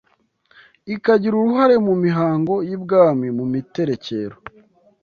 ikagira uruhare mu mihango y’I Bwami, mu miterekero